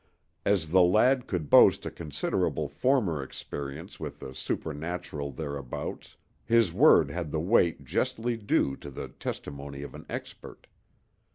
As the lad could boast a considerable former experience with the supernatural thereabouts his word had the weight justly due to the testimony of an expert.